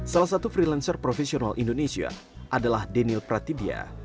salah satu freelancer profesional indonesia adalah daniel pratibia